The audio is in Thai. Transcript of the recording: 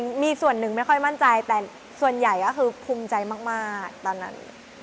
มันมีส่วนหนึ่งไม่ค่อยมั่นใจแต่ส่วนใหญ่ก็คือภูมิใจมากตอนนั้น